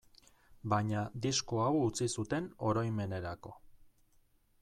Baina disko hau utzi zuten oroimenerako.